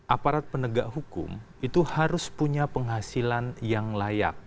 aparat penegak hukum itu harus punya penghasilan yang layak